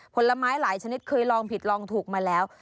ผลไม้หลายชนิดเคยลองผิดลองถูกมาแล้ว